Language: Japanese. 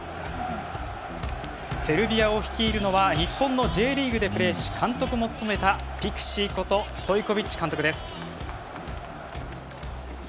セルビアを率いるのは日本のＪリーグでプレーし監督も務めたピクシーことストイコビッチ監督です。